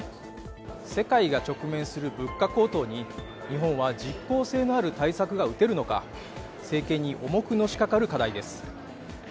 世界が直面する物価高騰に日本は実効性のある対策が打てるのか政権に重くのしかかる課題です。